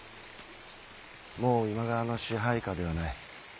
もう今川の支配下ではない。